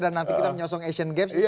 dan nanti kita menyosong asian games